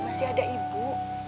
masih ada ibu